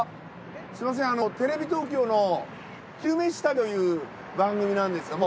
すみませんテレビ東京の「昼めし旅」という番組なんですけれども。